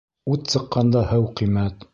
Ут сыҡҡанда һыу ҡиммәт.